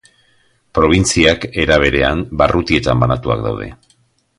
Probintziak era, berean, barrutietan banatuak daude.